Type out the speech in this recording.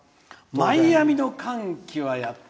「マイアミの歓喜」はやって。